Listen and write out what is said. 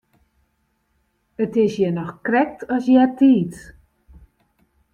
It is hjir noch krekt as eartiids.